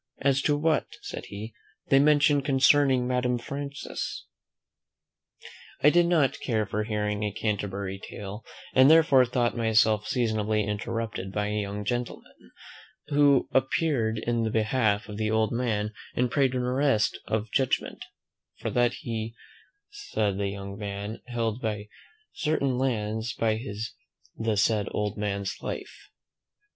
"As to what," said he, "they mention concerning Madame Frances " I did not care for hearing a Canterbury tale, and, therefore, thought myself seasonably interrupted by a young gentleman, who appeared in the behalf of the old man, and prayed an arrest of judgment; "for that he, the said young man, held certain lands by his the said old man's life."